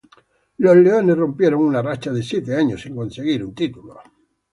Los Leones rompieron una racha de siete años sin conseguir un título.